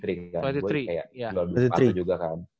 jual beli sepatu juga kan